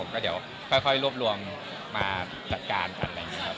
ก็เดี๋ยวค่อยรวบรวมมาจัดการกัน